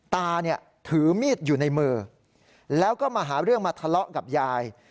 ตาเนี่ยถือมีดอยู่ในมือแล้วก็มาหาเรื่องมาทะเลาะกับยาย